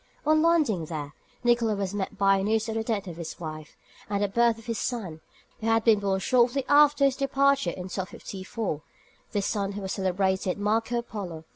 On landing there, Nicolo was met by news of the death of his wife, and of the birth of his son, who had been born shortly after his departure in 1254; this son was the celebrated Marco Polo.